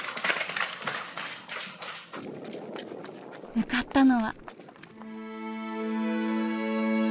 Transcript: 向かったのは。